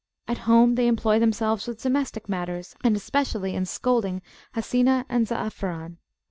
At home, they employ themselves with domestic matters, and especially in scolding Hasinah and Zaafaran.